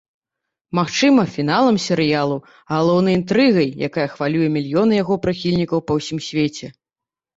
Магчыма, фіналам серыялу, галоўнай інтрыгай, якая хвалюе мільёны яго прыхільнікаў па ўсім свеце.